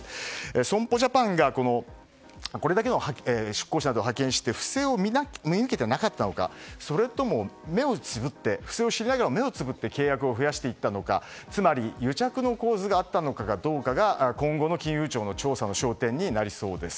損保ジャパンがこれだけの出向者を派遣して不正を見抜けていなかったのかそれとも、不正に目をつぶって契約を増やしていたのか、つまり癒着の構図があったのかどうかが今後の金融庁の調査の焦点になりそうです。